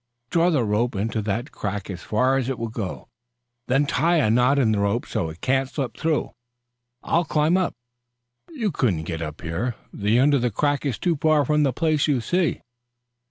"Draw the rope into that crack as far as it will go, then tie a knot in the rope so it cannot slip through. I'll climb up " "You couldn't get up here. The end of the crack is too far from the place you see.